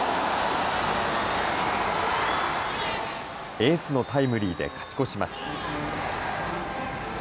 エースのタイムリーで勝ち越します。